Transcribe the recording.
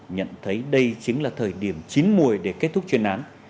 nhận thấy đây chính là thời điểm chín mùi để kết thúc chuyên án